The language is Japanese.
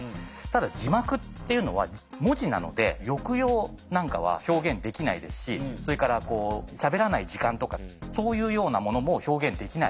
ただ字幕っていうのは文字なので抑揚なんかは表現できないですしそれからしゃべらない時間とかそういうようなものも表現できないわけです。